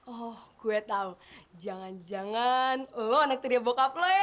oh gue tau jangan jangan lo anak tiri bokap lo ya